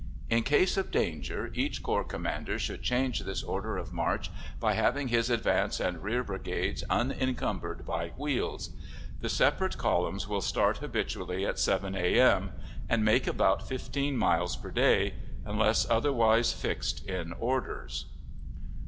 In case of danger, each corps commander should change this order of march, by having his advance and rear brigades unencumbered by wheels. The separate columns will start habitually at 7 a.m., and make about fifteen miles per day, unless otherwise fixed in orders.